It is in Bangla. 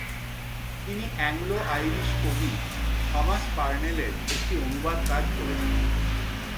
তিনি অ্যাংলো-আইরিশ কবি থমাস পার্নেলের একটি অনুবাদ কাজ করেছিলেন।